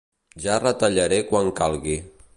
Ja retallaré quan calgui.